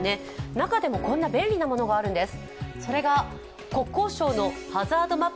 中でもこんな便利なものがあるんです。